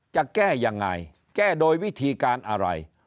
จะแก้ยังไงแก้โดยวิธีการอะไร